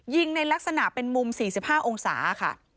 ในลักษณะเป็นมุม๔๕องศาค่ะ